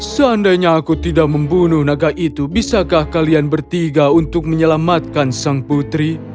seandainya aku tidak membunuh naga itu bisakah kalian bertiga untuk menyelamatkan sang putri